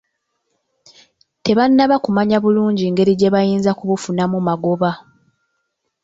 Tebannaba kumanya bulungi ngeri gye bayinza kubufunamu magoba.